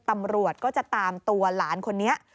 ตำรวจก็จะตามตัวหลานคนนี้